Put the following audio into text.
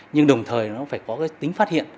nhưng đồng thời nó phải có cái tính phát hiện